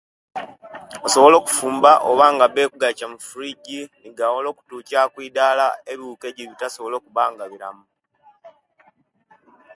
Osobola okufumba obanga be kugaicha mufiriji negawola okutucha kwidala ebiwuka ojibitasobola okuba nga biramu